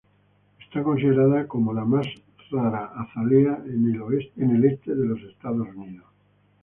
Está considerada como la más rara azalea en el este de los Estados Unidos.